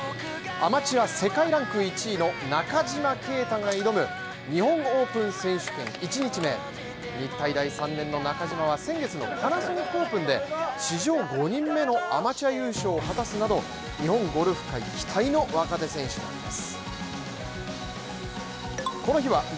アマチュア世界ランク１位の中島啓太が挑む日体大３年の中島は先月のパナソニックオープンで史上５人目のアマチュア優勝を果たすなど日本ゴルフ界期待の若手選手です。